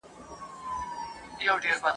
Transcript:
آیا لنډۍ پر زړونو اغېز وکړ؟